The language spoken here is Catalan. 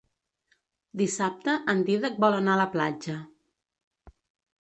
Dissabte en Dídac vol anar a la platja.